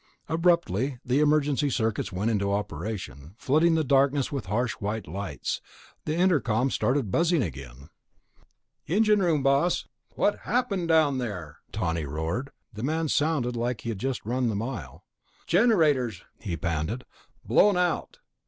Abruptly the emergency circuits went into operation, flooding the darkness with harsh white lights. The intercom started buzzing again. "Engine room, boss." "What happened down there?" Tawney roared. The man sounded like he'd just run the mile. "Generators," he panted. "Blown out."